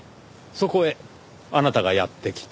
そこへあなたがやって来た。